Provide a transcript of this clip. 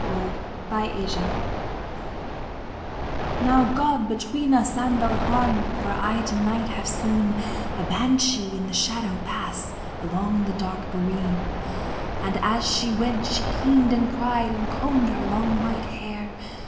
THE BANSHEE Now God between us and all harm, For I to night have seen A banshee in the shadow pass Along the dark boreen. And as she went she keened and cried And combed her long white hair.